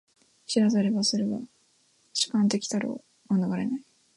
然らざれば、それは主観的たるを免れない。